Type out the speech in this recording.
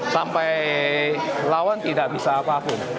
sampai lawan tidak bisa apapun